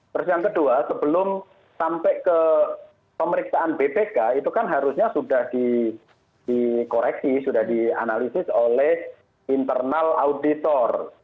terus yang kedua sebelum sampai ke pemeriksaan bpk itu kan harusnya sudah dikoreksi sudah dianalisis oleh internal auditor